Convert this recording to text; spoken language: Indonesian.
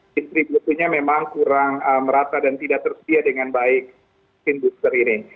distribusinya memang kurang merata dan tidak tersedia dengan baik vaksin booster ini